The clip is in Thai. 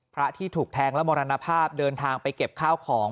พระที่ถูกแทงและมรณภาพเดินทางไปเก็บข้าวของ